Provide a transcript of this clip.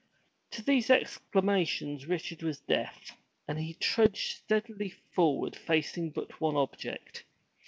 To these exclamations Richard was deaf, and he trudged steadily forward facing but one object.